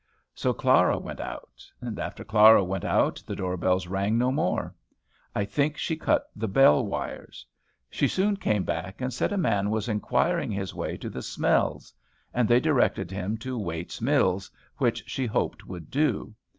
So Clara went out. And after Clara went out, the door bells rang no more. I think she cut the bell wires. She soon came back, and said a man was inquiring his way to the "Smells;" and they directed him to "Wait's Mills," which she hoped would do.